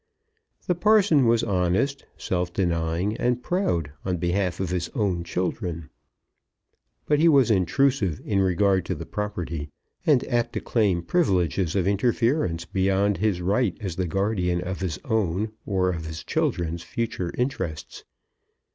The parson was honest, self denying, and proud on behalf of his own children; but he was intrusive in regard to the property, and apt to claim privileges of interference beyond his right as the guardian of his own or of his children's future interests.